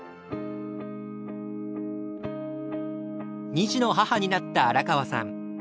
２児の母になった荒川さん。